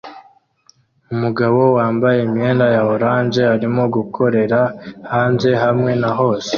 Umugabo wambaye imyenda ya orange arimo gukorera hanze hamwe na hose